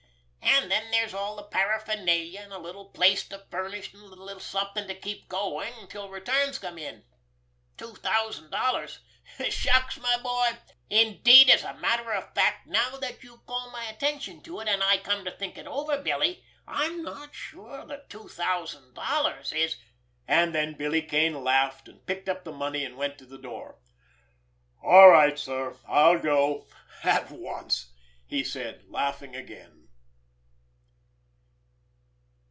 And then there's all the paraphernalia, and a little place to furnish, and a little something to keep things going until returns come in. Two thousand dollars—shucks, my boy! Indeed as a matter of fact, now that you call my attention to it and I come to think it over, Billy, I'm not sure that two thousand dollars is——" And then Billy Kane laughed, and picked up the money, and went to the door. "All right, sir, I'll go—at once," he said, laughing again.